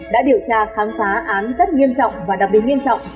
đã điều tra khám phá án rất nghiêm trọng và đặc biệt nghiêm trọng